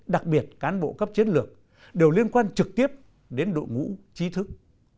đặc biệt cán bộ cấp chiến lược đều liên quan trực tiếp đến đội ngũ trí thức